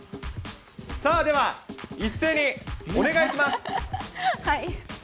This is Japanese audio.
さあ、では一斉にお願いします。